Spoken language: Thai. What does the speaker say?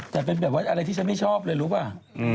แต่เป็นแบบว่าอะไรที่ฉันไม่ชอบเลยรู้ป่ะ